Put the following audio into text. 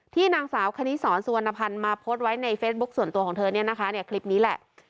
นางสาวคณิสรสุวรรณภัณฑ์มาโพสต์ไว้ในเฟซบุ๊คส่วนตัวของเธอเนี่ยนะคะเนี่ยคลิปนี้แหละ